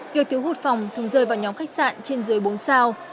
việc thiếu hụt phòng thường rơi vào nhóm khách sạn trên dưới bốn sao